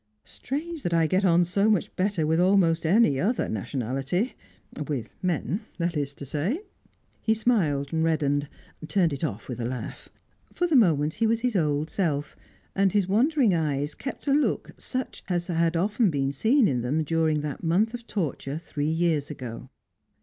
Strange that I get on so much better with almost any other nationality with men, that is to say." He smiled, reddened, turned it off with a laugh. For the moment he was his old self, and his wandering eyes kept a look such has had often been seen in them during that month of torture three years ago.